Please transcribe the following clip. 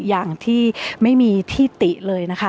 อย่างที่ไม่มีที่ติเลยนะคะ